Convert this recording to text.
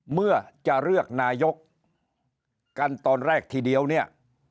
เมื่อจะเลือกนายกกันตอนแรกทีเดียวเนี่ย